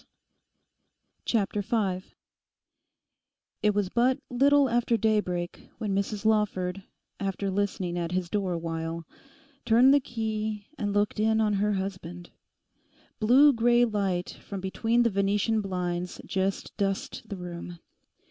CHAPTER FIVE It was but little after daybreak when Mrs Lawford, after listening at his door a while, turned the key and looked in on her husband. Blue grey light from between the venetian blinds just dusked the room.